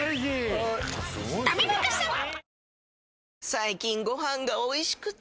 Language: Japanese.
最近ご飯がおいしくて！